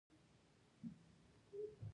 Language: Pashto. • شتمن سړی که له علم سره مل وي، عزت مومي.